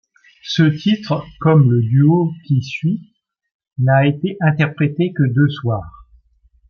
Ce titre, comme le duo qui suit, n'a été interprété que deux soirs.